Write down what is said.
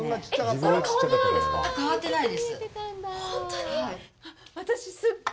これ変わってないですか？